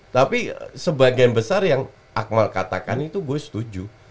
tapi sebagian besar yang akmal katakan itu gue setuju